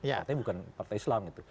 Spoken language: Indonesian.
artinya bukan partai islam gitu